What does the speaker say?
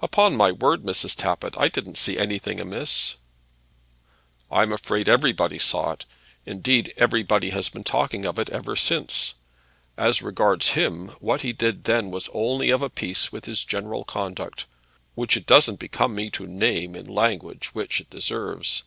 "Upon my word, Mrs. Tappitt, I didn't see anything amiss." "I'm afraid everybody saw it. Indeed, everybody has been talking of it ever since. As regards him, what he did then was only of a piece with his general conduct, which it doesn't become me to name in the language which it deserves.